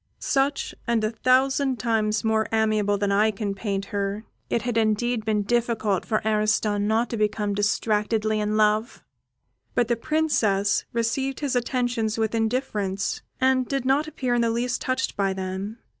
Such, and a thousand times more amiable than I can paint her, it had indeed been difficult for Ariston not to have become distractedly in love; but the Princess received his attentions with indifference, and did not appear in the least touched by them.